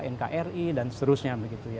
nkri dan seterusnya